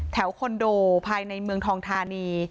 คอนโดภายในเมืองทองธานี